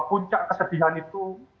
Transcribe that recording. puncak kesedihan itu